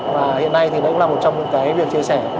và hiện nay nó cũng là một trong những việc chia sẻ